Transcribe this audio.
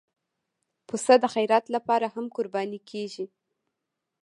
پسه د خیرات لپاره هم قرباني کېږي.